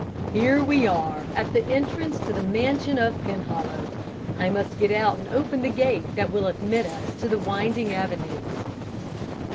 Here we are at the entrance to the mansion of Penhollow. I must get out and open the gate that will admit us to the winding avenue."